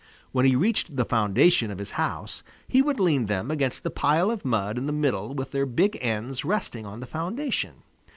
When he reached the foundation of his house, he would lean them against the pile of mud in the middle with their big ends resting on the foundation.